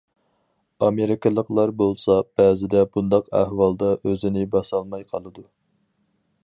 ئامېرىكىلىقلار بولسا، بەزىدە بۇنداق ئەھۋالدا ئۆزىنى باسالماي قالىدۇ.